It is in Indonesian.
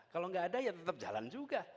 kalau tidak ada tetap jalan juga